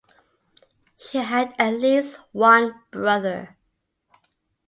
She had at least one brother.